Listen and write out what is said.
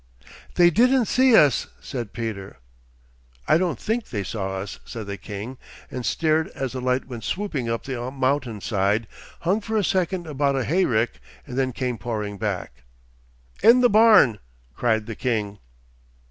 'They didn't see us,' said Peter. 'I don't think they saw us,' said the king, and stared as the light went swooping up the mountain side, hung for a second about a hayrick, and then came pouring back. 'In the barn!' cried the king.